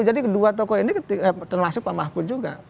jadi dua tokoh ini termasuk pak mahfud juga